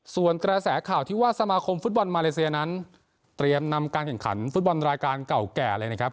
ส่วนกระแสข่าวที่ว่าสมาคมฟุตบอลมาเลเซียนั้นเตรียมนำการแข่งขันฟุตบอลรายการเก่าแก่เลยนะครับ